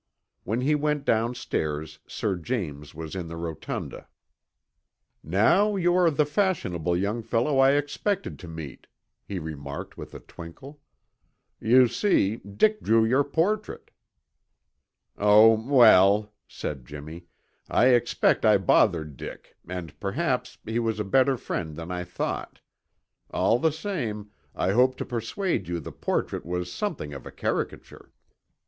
When he went downstairs Sir James was in the rotunda. "Now you are the fashionable young fellow I expected to meet," he remarked with a twinkle. "You see, Dick drew your portrait." "Oh, well," said Jimmy, "I expect I bothered Dick and perhaps he was a better friend than I thought. All the same, I hope to persuade you the portrait was something of a caricature."